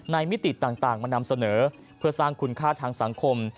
มิติต่างมานำเสนอเพื่อสร้างคุณค่าทางสังคม